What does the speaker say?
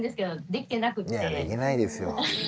できないですよ。